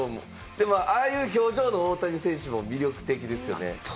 でもああいう表情の大谷選手も魅力的ですよね。